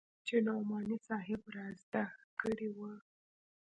چې نعماني صاحب رازده کړې وه.